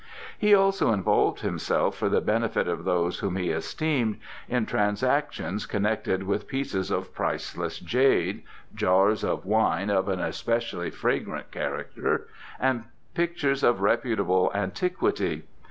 He also involved himself, for the benefit of those whom he esteemed, in transactions connected with pieces of priceless jade, jars of wine of an especially fragrant character, and pictures of reputable antiquity.